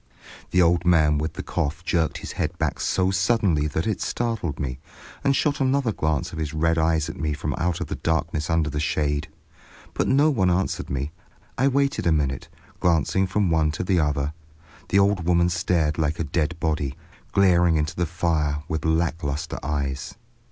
The old man with the cough jerked his head back so suddenly that it startled me, and shot another glance of his red eyes at me from out of the darkness under the shade, but no one answered me. I waited a minute, glancing from one to the other. The old woman stared like a dead body, glaring into the fire with lack lustre eyes.